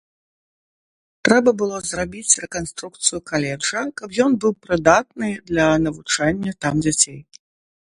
Трэба было зрабіць рэканструкцыю каледжа, каб ён быў прыдатны для навучання там дзяцей.